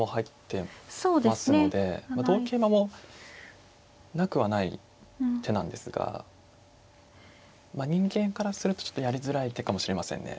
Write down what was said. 同桂馬もなくはない手なんですがまあ人間からするとちょっとやりづらい手かもしれませんね。